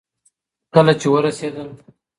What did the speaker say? کله چې ورسېدل